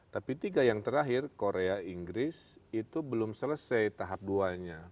tapi tiga yang terakhir korea inggris itu belum selesai tahap dua nya